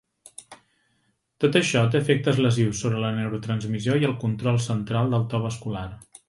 Tot això té efectes lesius sobre la neurotransmissió i el control central del to vascular.